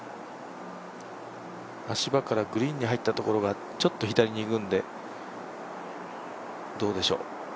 足場からグリーンに入ったところが、ちょっと左に行くんで、どうでしょう。